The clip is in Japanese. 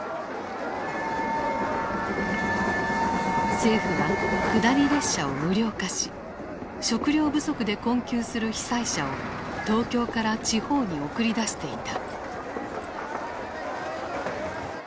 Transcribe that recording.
政府は下り列車を無料化し食糧不足で困窮する被災者を東京から地方に送り出していた。